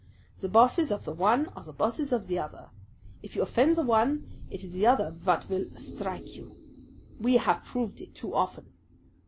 The bosses of the one are the bosses of the other. If you offend the one, it is the other vat vill strike you. We have proved it too often."